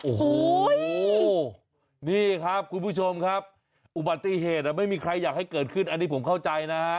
โอ้โหนี่ครับคุณผู้ชมครับอุบัติเหตุไม่มีใครอยากให้เกิดขึ้นอันนี้ผมเข้าใจนะฮะ